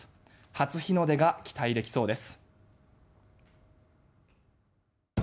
初日の出が期待できそうです。